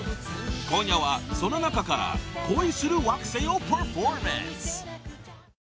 今夜はその中から『恋する惑星』をパフォーマンス］